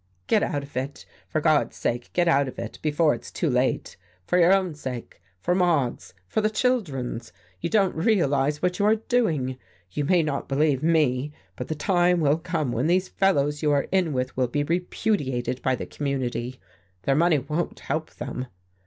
"Get out of it, for God's sake get out of it, before it's too late. For your own sake, for Maude's, for the children's. You don't realize what you are doing. You may not believe me, but the time will come when these fellows you are in with will be repudiated by the community, their money won't help them.